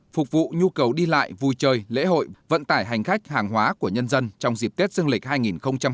phục vụ nhu cầu đi lại vui chơi lễ hội vận tải hành khách hàng hóa của nhân dân trong dịp tết dương lịch hai nghìn hai mươi